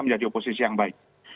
menjadi oposisi yang baik